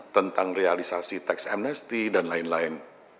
tentang realisasi teks amnesty dan lain lain